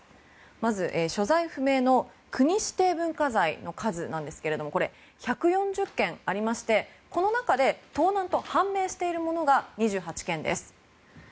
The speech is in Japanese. まず、所在不明の国指定文化財の数なんですが１４０件ありましてこの中で盗難と判明しているものが２８件です。